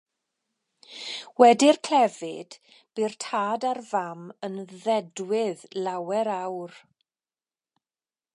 Wedi'r clefyd, bu'r tad a'r fam yn ddedwydd lawer awr.